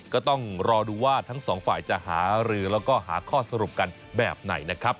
ก็ต้องรอดูว่าทั้งสองฝ่ายจะหารือแล้วก็หาข้อสรุปกันแบบไหนนะครับ